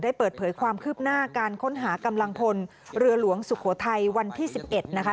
เปิดเผยความคืบหน้าการค้นหากำลังพลเรือหลวงสุโขทัยวันที่๑๑นะคะ